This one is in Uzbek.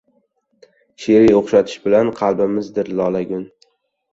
She’riy o‘xshatish bilan qalbimizdir lolagun